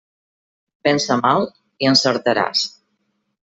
Pensa mal i encertaràs.